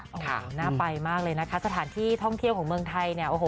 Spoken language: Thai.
โอ้โหน่าไปมากเลยนะคะสถานที่ท่องเที่ยวของเมืองไทยเนี่ยโอ้โห